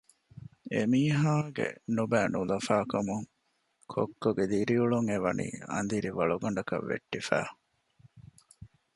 އެމީހާގެ ނުބައި ނުލަފާކަމުން ކޮއްކޮގެ ދިރިއުޅުން އެވަނީ އަނދިރި ވަޅުގަނޑަކަށް ވެއްޓިފަ